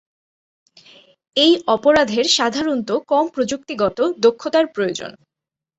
এই অপরাধের সাধারণত কম প্রযুক্তিগত দক্ষতার প্রয়োজন।